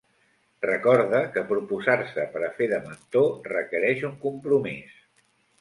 Recorda que proposar-se per a fer de mentor requereix un compromís.